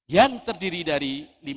yang terdiri dari